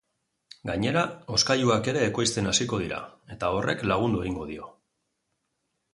Gainera, hozkailuak ere ekoizten hasiko dira, eta horrek lagundu egingo dio.